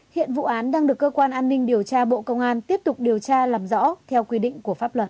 hiện vụ án đang được cơ quan an ninh điều tra bộ công an tiếp tục điều tra làm rõ theo quy định của pháp luật